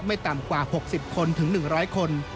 ไม่ต่ำกว่า๖๐คนถึง๑๐๐คน